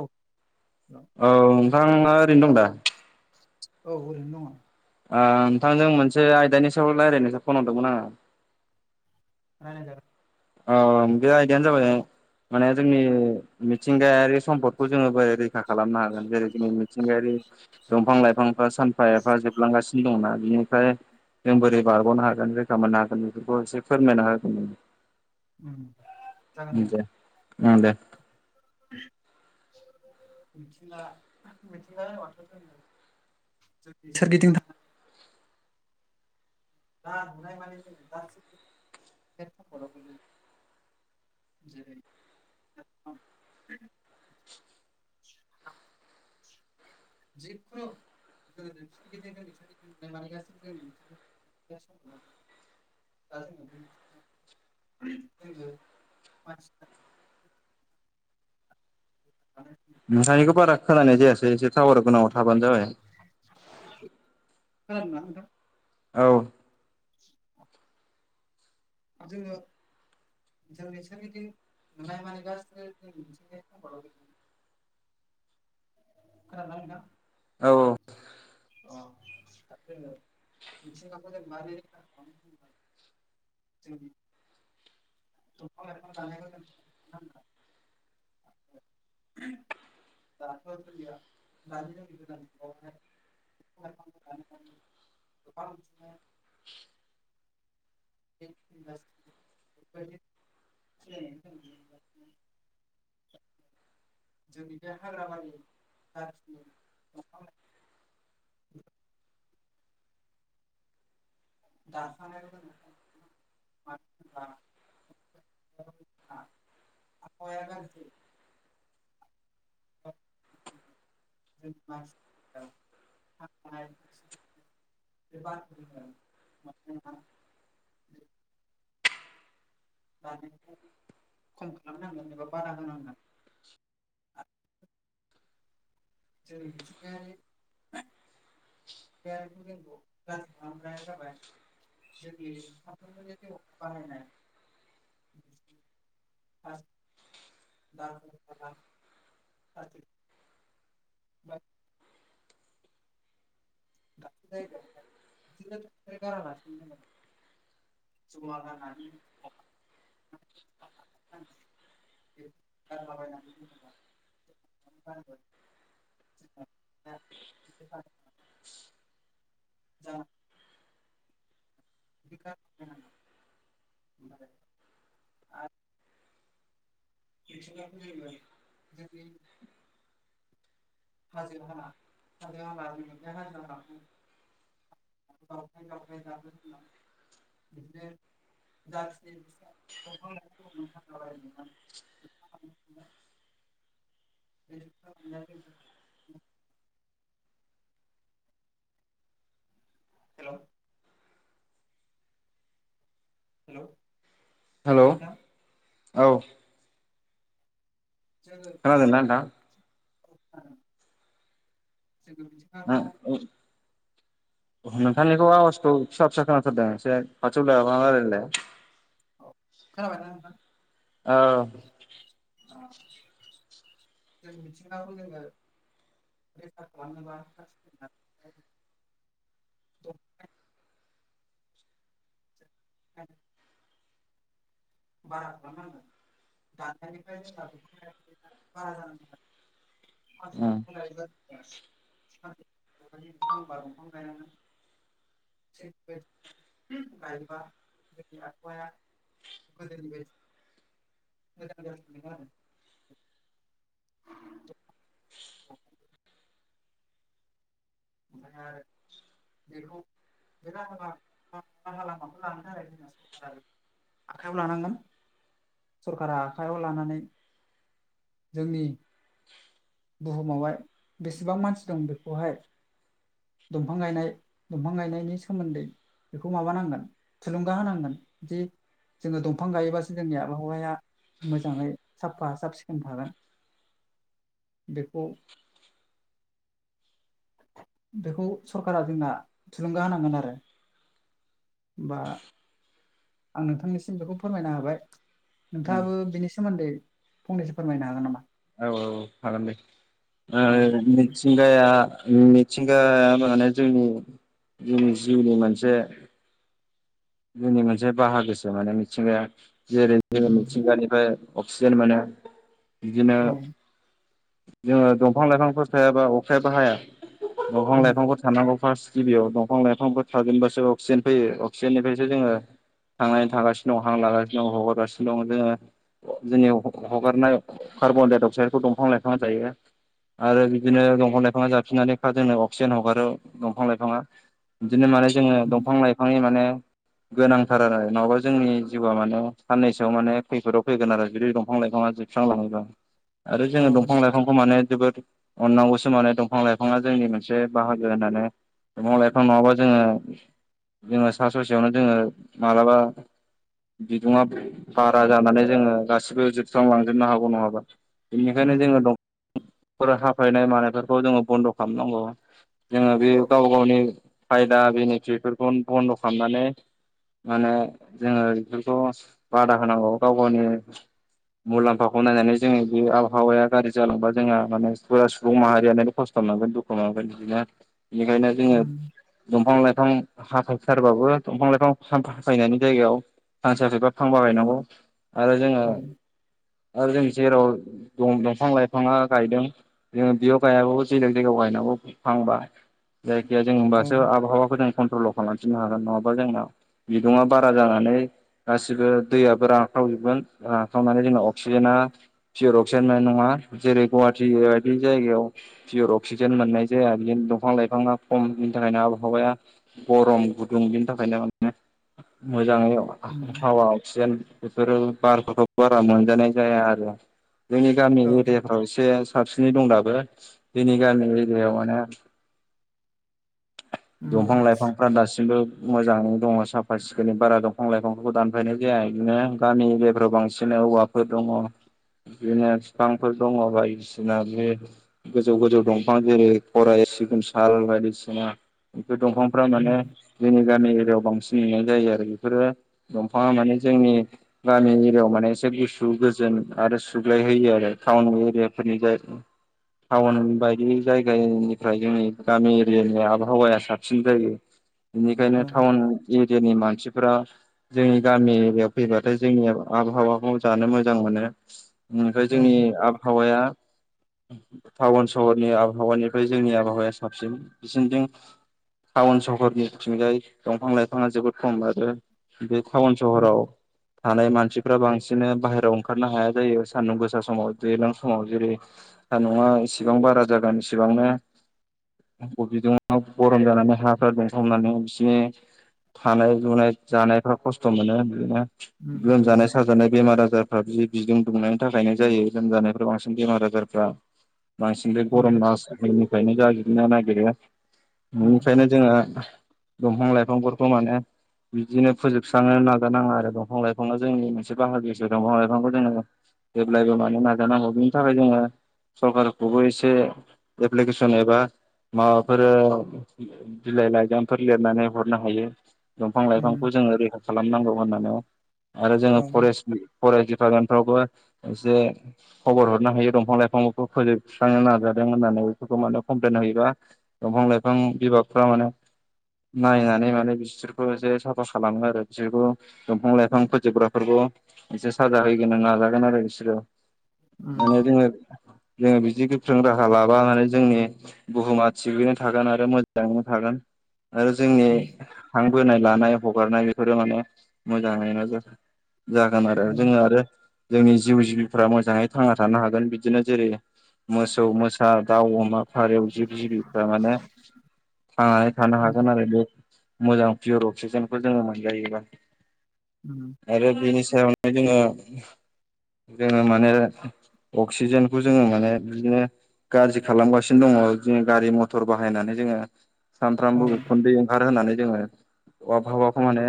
औ [inaudible] औ नोंथाङा ओरैनो दं दा औ ओरैनो दङ ओ नोंथांजों मोनसे आयदानि सायाव रायज्लायनोसो फन हरदोंमोन आङो रायलाय जागोन अ बे आयदायानो जाबाय माने जोंनि मिथिंगायारि सम्पदखौ जोङो बोरै रैखा खालामनो हागोन जेरै जोंनि मिथिंगायारि दंफां लाइफांफ्रा सानफा एफा जोबलांगासिनो दंना बिनिफ्राय जों बोरै बारग'नो हागोन रैखा मोननो हागोन बेफोरखौ एसे फोरमायना होगोन नों जागोन ओं दे मिथिगा मिथिंगा होनबालाय माथ' फोरमायनो सोरगिदिं था ना नुनाय मानि [unintelligible] जेरै [unintelligible] [inaudible] [inaudible] जिखुनु [unintelligible] [unintelligible] [inaudible] [inaudible] नोंथांनिखौ बारा खोनानाय जायासै एसे टावार गोनाङाव थाबानो जाबाय खोनादोंना नोंथां? औ जोङो जोंनि सोरगिदिं ननायमानि [unintelligible] खोनादोंना नोंथां? औ औ जोङो मिथिंगाखौ जों मारै रैखा खालाम [unintelligible] [inaudible] दंफां लाइफां दाननायखौ [unintelligible] दाथ जोंनिया [unintelligible] [unintelligible] गोबां [inaudible] [inaudible] जोंनि बे हाग्रामानि जाखिनि दंफां-ला [inaudible] [unintelligible] आबहावाया गारजि जायो [inaudible] [inaudible] [unintelligible] दानायखौ खम खालामनांगोन एबा बारा होनांगोन आरो [inaudible] [inaudible] [inaudible] जोंनि साफ्रोमबोनि जिउ आव बाहायनाय [inaudible] [inaudible] [unintelligible] [inaudible] [inaudible] [inaudible] [inaudible] [unintelligible] [unintelligible] [unintelligible] हाजो हाला हाजो हाला [unintelligible] हाजो हाखौ [inaudible] जाखिनि दंफां लाइफां दंमोन हाग्रा बारि नोंथां [inaudible] [inaudible] हेल' हेल' हेल' नोंथां औ जोङो खोनादोंना नोंथां? [inaudible] [inaudible] मिथिंगाखौ नोंथांनिखौ आवाजखौ फिसा फिसा खोनाथारदों एसे खाथियाव लाना रायलायलाइ औ खोनाबायना नोंथां औ जों मिथिंगाखौ जोङो [unintelligible] [inaudible] बारा खालामनांगोन दनिफ्राय उम जों बारा जानाय [unintelligible] [inaudible] [inaudible] [inaudible] [inaudible] खोनादों नोथां [inaudible] [inaudible] बेखौ बे राहा लामाखौ लानो थाखाय जोंना सरखार आरो आखाइयाव लानांगोन सरकारा आखायाव लानानै जोंनि बुहुमावहाय बेसेबां मानसि दं बेखौहाय दंफां गायनाय दंफां गायनायनि सोमोन्दै बेखौ माबानांगोन थुलुंगा होनांगोन जे जोङो दंफां गायोबासो जोंनि आबहावाया मोजाङै साफा साब सिखोन थागोन बेखौ बेखौ सरकारा जोंना थुलुंगा होनांगोन आरो बा आं नोंथांनिसिम बेखौ फोरमायनो हाबाय उम नोंथाङाबो बिनि सोमोन्दै फंनैसो फोरमायनो हागोन नामा औ औ खालाम दे औ अ मिथिंगाया मिथिंगाया माने जोंनि जोंनि जिउनि मोनसे जोंनि मोनसे बाहागोसो माने मिथिंगाया जेरै जोङो उम मिथिंगानिफ्राय अक्सिजेन मोनो बिदिनो औ जोङो दंफां लाइफांफोर थायाबा अखायाबो हाया दंफां उम लाइफांफोर थानांगौ फारस गिबियाव दंफां लाइफांफोर थाजेनबासो अक्सिजेन फैयो अक्सिजेननिफ्रायसो जोङो थांनानै थागासिनो दं हां लागासिनो दं हगारगासिनो दं जोङो जोंनि हगारनाय कार्बनडाय अक्साइदखौ दंफां लाइफाङ जायो आरो बिदिनो दंफां लाइफाङा जाफिननानै जोंनो अक्सिजेन हगारो दंफां लाइफाङा बिदिनो माने जोङो उम दंफां लाइफांनि माने गोनांथार आरो नङाबा जोंनि जिउआ माने साननैसोआव माने खैफोदाव फैगोन आरो बिदि दंफां लााय दंफाया जोबस्रांलायोबा आरो औ जोङो दं बिफां लाइफांखौ माने जोबोद अननांगौसो माने दंफां लाइफाङा जोंनि मोनसे बाहागो होननानै बिफां लाइफां नङाबा जोङो जोङो सा ससेयावनो जोङो माब्लाबा बिदुंया भारा जानानै जोङो गासिबो जोबस्रां लांजोबनो हागौ नङाबा बेनिखायनो उम जोङो फोर हाफायनाय मानायफोरखौ जोङो बन्द' खालामनांगौ जोङो बे गावबा गावनि खायदा बेनिफिटफोरखौ बन्द' खालामनानै माने जोङो बेफोरखौ बादा होनांगौ गाव गावनि मुलाम्फाखौ नायनानै जोङो बेयो आबहावाया गारि जालांबा जोंहा माने सुबुं माहारियानो खस्थ' मोनांगोन दुखु मोनांगोन बिदिनो बेनिखायनो जोङो उम दंफां लाइफां हाफायथारबाबो दंफां लाइफां हाफायनायनि जायगायाव फांसे हाबाया फांबा गायनांगौ। आरो जोङो औ आरो जों जेराव दंफां लाइफां बिफाङा गायदों जोङो बियाव गायाबाबो जेराव जेराव गायनांगौ फांबा जायखिजाया जों होमबासो आबहावाखौ जों कन्ट्रलाव खालामफिननो हागोन नङाबा जोंनाव बिदङा बारा जानानै गासिबो दैयाबबो रानख्रावजोबगोन रानख्रावनानै जोंना अक्सिजेना पियर अक्सिजेन मोननाय नङा। जेरै गुवाहाटिी बायदि जायगायाव पियर अक्सिजेन मोननाय जाया बिदिनो दंफां लाइफाङा खम बिनि थाखायनो आबहावाया गरम गुदुं बिनि थाखायनो मोजाङै उम हावा अक्सिजेन बेफोरो बारखौथ' बारा मोनजानाय जाया आरो जोंनि गामि एरिया औ एसे साबसिनै दं दाबो जोंनि गामि एरियायाव माने दंफां उम लाइफांफ्रा दासिमबो मोजाङैनो दङ साफा सिखोननि बारा दंफां लाइफांफोरखौ दानफायनाय जाया बिदिनो गामि एरियाफ्राव बांसिन औवाफोर दङ बिदिनो बिफां फोर दङ बायदिसिना बे गोजौ गोजौ दंफां जेरै खराइ सिगोम साल बायदिसिना जोंना दंफांफ्रा माने उम जोंनि गामि एरियायाव बांसिन नुनाय जायो आरो बेफोरो दंफाङा माने जोंनि गामि एरियायाव माने गुसु गोजोन आरो सुग्लाय होयो आरो टाउन एरियाफोरनि टाउन बायदि जायगानिफ्राय जोंनि गामि एरियानि आबहावाया साबसिन जायो। बेनिखायनो औ टाउन एरियानि मानसि मानसिफोरा जोंनि गामि एरियायाव फैबाथाय जोंनि आबहावाखौ जानो मोजां मोनो। बेनिफ्राय औ जोंनि [unintelligible] टाउन सहरनि आबहावानिफ्राय जोंनि आबहावाया साबसिन बिसिनिथिं टाउन सहरनिथिंजाय दंफां लाइफाङा जोबोद खम आरो बे टाउन सहराव उम थानाय मानसिफ्रा बांसिन बाहेरायाव ओंखारनो हाया जायो सान्दुं गोसा समाव। दैज्लां समाव जेरै दा नङा इसेबां बारा जागोन इसेबांनो। बिदिनो गरम जानानै हाफ्रा दंफामनानै बिसिनि थानाय लुनाय जानायफ्रा खस्थ' मोनो बिदिनो। उम लोमजानाय साजानाय बेमार आजारफ्रा बि बिदुं दुंनायनि थाखायनो जायो। लोमजानायफ्रा बांसिन बेमार आजारफ्रा बांसिन बे उम गरम मासनिफ्रायनो जायो। बिनो नागिरो औ बेनिखायनो जोङो दंफां लाइफांफोरखौ माने बिदिनो फोजोबस्रांनो नाजाानाङा आरो दंफां लाइफां जोंनि मोनसे बाहागोसो दंफां लाइफांखौ जोङो जेब्लायबो मानो नाजानांगौ बिनि थाखाय जोङो सरखारखौबो एसे एप्लिकेसन एबा माबाफोर बिलाइ लाइजामफोर लिरनानै हरनो हायो। दंफां औ लाइफांखौ जोङो रैखा खालामनांगौ होननानै। आरो औ जोङो फरेस्ट फरेस्ट डिपार्टमेन्टफ्रावबो एसे खबर हरनो हायो दंफां लाइफांफोरखौ फोजोबस्रांनो नाजादों होननानै बेफोरखौ माने कमप्लेन होयोबा। दंफां लाइफां बिभागफ्रा माने नायनानै माने बिसोरखौ एसे साफा खालामो आरो बिसोरखौ दंफां लाइफां फोजोबग्राफोरखौ। एसे साजा हैगोन नाजागोन आरो बिसोरो। ओंखायनो जों जोङो बिदि गोख्रों राहा लाबानानै जोंनि बुहुमा थिगैनो थागोन आरो मोजाङैनो थागोन। आरो जोंनि हांबोनाय लानाय हगारनाय बेफोरो माने मोजाङानो जागोन। जागोन आरो जोङो आरो जोंनि जिउ जिबिफ्रा मोजाङैनो थांना थानो हागोन बिदिनो जेरै मोसौ मोसा दाउ अमा फारौ जिब जिबि फोरा माने थांनानै थानो हागोन आरो बे मोजां पियर अक्सिजेनखौ जोङो मोनजायोबा आरो बेनि सायावनो जोङो जोङो माने अक्सिजेनखौ जोङो माने बिदिनो गाज्रि खालामगासिनो दङ दिनै गारि मथर बाहायनानै जोङो सानफ्रामबो उखुन्दै ओंखारहोनानै जोङो आबहावाखौ माने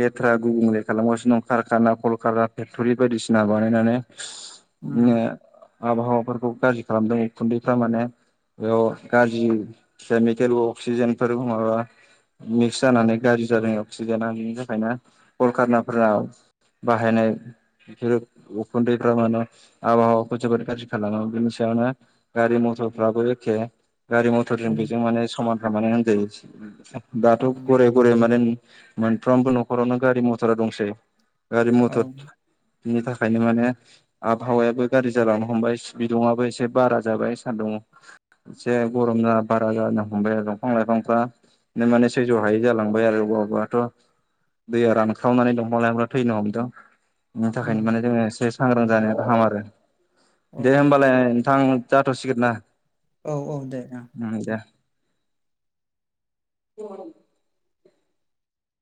लेथ्रा गुबुंले खालामगासिनो दं कारखाना कलखाना फेक्ट'रि बायदिसिना बानायनानै आबहावाफोरखौ गाज्रि खालामदों उखुन्दैफ्रा माने गाज्रि केमिकेल अक्सिजेनफोर माबा मिक्स जानानै गाज्रि जादों अक्सिजेना बेनि थाखायनो कलकारखानाफोरा। बाहायनाय बेफोरो उखुन्दैफ्रा माने आबहावाखौ जोबोद गाज्रि खालामो बेनि सायावनो गारि मथरफ्राबो एखे। गारि मथरजों बेजों माने समानफ्रामानो होनजायो दाथ' गरे गरे माने मोनफ्रोमबो न'खरावनो गारि मथरा दंसै गारि मथरनि थाखाय ओंखायनो माने आबहावायाबो गाज्रि जालांनो हमबाय बिदुंआबो एसे बारा जाबाय सान्दुं एसे गरम जा बारा जानो हमबाय आरो दंफां लाइफांफ्रा बि माने सैज' हायै जालांबाय आरो अबा बबाथ' दैया रानखावनानै दंफां लायफांफ्रा थैनो हमदों। बिनि थाखायनो माने जोङो एसे सांग्रां जानाया गाहाम आरो दे होमबालाय। नोंथां जाथ'सिगोन ना। औ औ दे ओ उम। [inaudible]